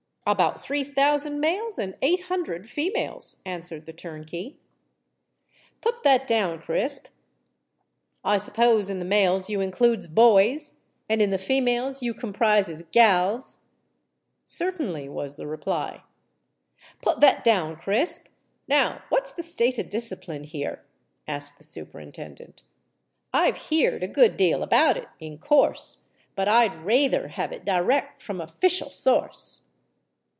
"About three thousand males and eight hundred females," answered the turnkey. "Put that down, Crisp. I suppose in the males you includes boys, and in the females you comprises gals?" "Certainly," was the reply. "Put that down, Crisp. Now what's the state of discipline here?" asked the Superintendent. "I've heerd a good deal about it, in course; but I'd rayther have it direct from a 'ficial source."